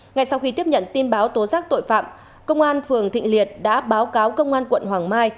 ngay sau khi tiếp nhận tin báo tố giác tội phạm công an phường thịnh liệt đã báo cáo công an quận hoàng mai